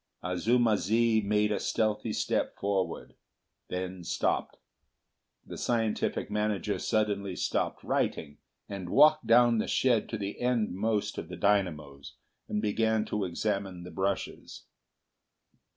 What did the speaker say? Azuma zi made a stealthy step forward; then stopped. The scientific manager suddenly stopped writing, and walked down the shed to the endmost of the dynamos, and began to examine the brushes.